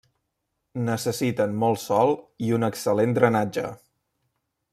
Necessiten molt Sol i un excel·lent drenatge.